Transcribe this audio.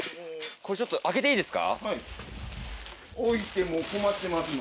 これちょっと開けていいですか？